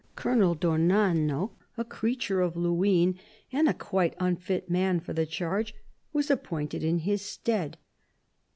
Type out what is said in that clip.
Colonel d'Ornano, a creature of Luynes and a quite unfit man for the charge, was appointed in his stead.